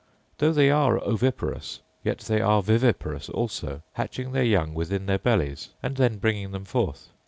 Though they are oviparous, yet they are viviparous also, hatching their young within their bellies, and then bringing them forth.